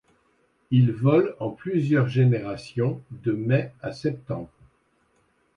Il vole en plusieurs générations, de mai à septembre.